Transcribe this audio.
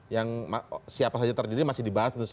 yang siapa saja terdiri masih dibahas